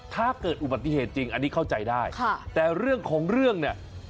ถ้าเกิดอุบัติเหตุจริงอันนี้เข้าใจได้ค่ะแต่เรื่องของเรื่องเนี่ย